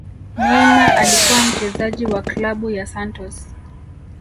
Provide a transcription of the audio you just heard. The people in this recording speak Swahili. neynar alikuwa mchezaji wa klabu ya santos